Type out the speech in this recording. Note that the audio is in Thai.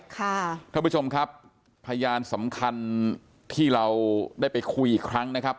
ท่านผู้ชมครับพยานสำคัญที่เราได้ไปคุยอีกครั้งนะครับ